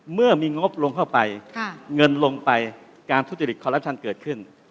เมื่อมีงบลงเข้าไปเงินลงไปการทุจริตคอรัปชั่นเกิดขึ้น